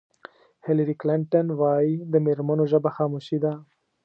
هېلري کلنټن وایي د مېرمنو ژبه خاموشي ده.